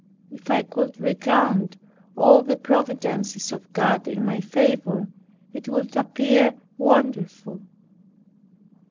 If I could recount all the providences of God in my favor, it would appear wonderful.